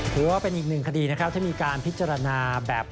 ถือว่าเป็นอีกหนึ่งคดีนะครับที่มีการพิจารณาแบบ